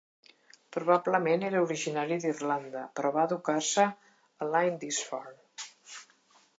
Probablement era originari d'Irlanda, però va educar-se a Lindisfarne.